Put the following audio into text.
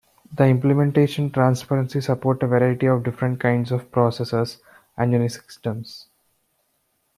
The implementation transparently supports a variety of different kinds of processors and Unix systems.